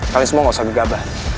kalian semua nggak usah gegabah